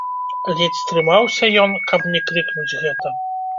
Ледзь стрымаўся ён, каб не крыкнуць гэта.